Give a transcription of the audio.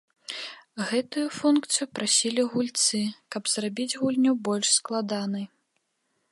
Гэтую функцыю прасілі гульцы, каб зрабіць гульню больш складанай.